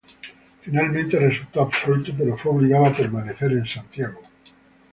Finalmente resultó absuelto, pero fue obligado a permanecer en Santiago.